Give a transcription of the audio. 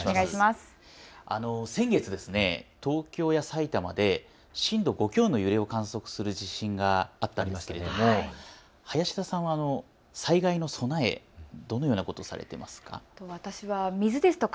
先月、東京や埼玉で震度５強の揺れを観測する地震があったんですけれども林田さんは災害の備え、どのようなことをされていますか。